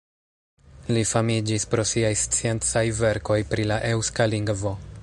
Li famiĝis pro siaj sciencaj verkoj pri la eŭska lingvo.